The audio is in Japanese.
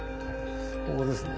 ここですね。